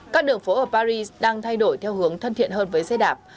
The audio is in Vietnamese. các đường phố ở paris đang thay đổi theo hướng thân thiện hơn với xe đạp